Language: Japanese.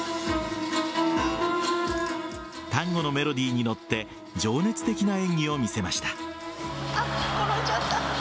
タンゴのメロディーに乗って情熱的な演技を見せました。